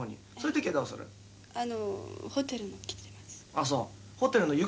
「あっそう」